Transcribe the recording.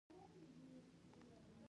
د پستې په ونه څه شی پیوند کړم؟